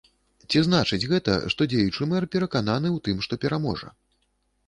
Ці значыць гэта, што дзеючы мэр перакананы ў тым, што пераможа?